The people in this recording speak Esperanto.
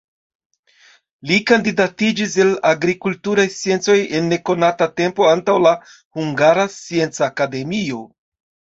Li kandidatiĝis el agrikulturaj sciencoj en nekonata tempo antaŭ la Hungara Scienca Akademio.